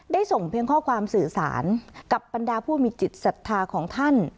ส่งเพียงข้อความสื่อสารกับบรรดาผู้มีจิตศรัทธาของท่าน